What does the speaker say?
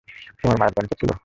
তোমার মায়ের ক্যান্সার ছিল?